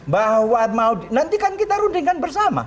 bahwa mau nanti kan kita rundingkan bersama